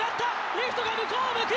レフトが向こうを向く！